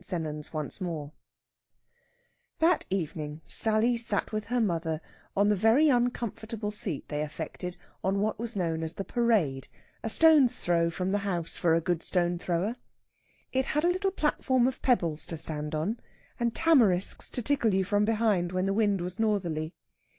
SENNANS ONCE MORE That evening Sally sat with her mother on the very uncomfortable seat they affected on what was known as the Parade, a stone's throw from the house for a good stone thrower. It had a little platform of pebbles to stand on, and tamarisks to tickle you from behind when the wind was northerly.